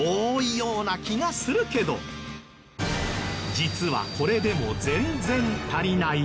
実はこれでも全然足りない。